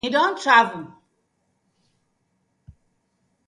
Him don travel.